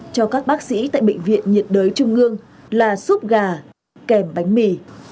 cho các bác sĩ tại bệnh viện nhiệt đới trung ương là xúc gà kèm bánh mì